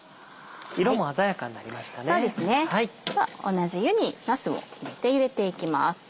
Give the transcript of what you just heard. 同じ湯になすも入れてゆでていきます。